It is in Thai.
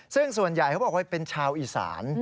ซึ่งส่วนใหญ่เขาบอกว่าเป็นชาวอีสาน